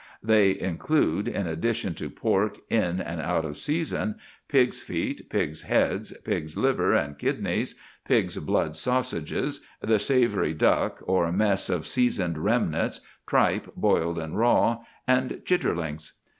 They include, in addition to pork in and out of season, pig's feet, pig's heads, pig's liver and kidneys, pig's blood sausages, the "savoury duck" or mess of seasoned remnants, tripe boiled and raw, and chitterlings.